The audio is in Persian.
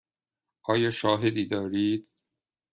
آیا شاهدی دارید؟